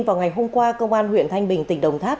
vào ngày hôm qua công an huyện thanh bình tỉnh đồng tháp